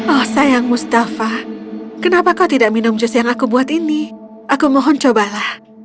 oh sayang mustafa kenapa kau tidak minum jus yang aku buat ini aku mohon cobalah